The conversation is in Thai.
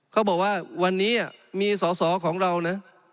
เขาบอกว่าวันนี้มีสอสอของเรานะ